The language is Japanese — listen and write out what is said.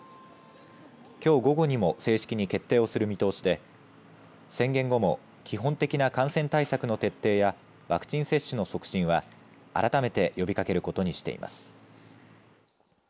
きょう午後にも正式に決定をする見通しで宣言後も基本的な感染対策の徹底やワクチン接種の促進はあらためて呼びかけることにしています。